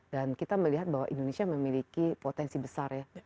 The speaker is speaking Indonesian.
dan kita melihat bahwa indonesia memiliki potensi besar ya